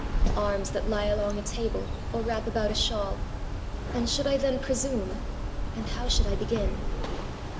Arms that lie along a table, or wrap about a shawl. And should I then presume? And how should I begin?